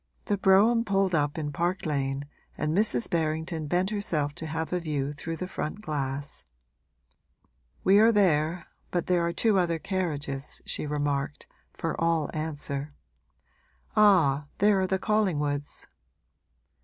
The brougham pulled up in Park Lane and Mrs. Berrington bent herself to have a view through the front glass. 'We are there, but there are two other carriages,' she remarked, for all answer. 'Ah, there are the Collingwoods.'